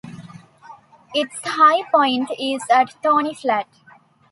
Its high point is at Thorny Flat.